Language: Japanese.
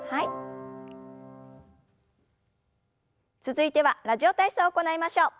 続いては「ラジオ体操」を行いましょう。